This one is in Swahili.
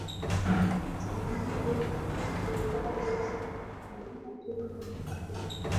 Simiyu anafuraha mpwito mpwito